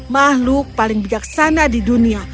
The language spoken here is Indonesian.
makhluk paling bijaksana di dunia